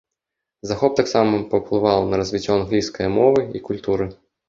Захоп таксама паўплываў на развіццё англійскае мовы і культуры.